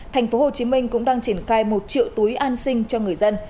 thành phố hồ chí minh cũng đang triển khai một triệu túi an sinh cho người dân